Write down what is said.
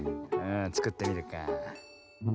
つくってみるか。